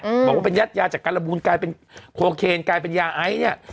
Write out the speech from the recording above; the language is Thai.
อืมบอกว่าเป็นยัดยาจากการระบูนกลายเป็นโคเคนกลายเป็นยาไอซเนี้ย